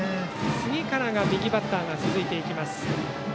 次からが右バッターが続いていきます。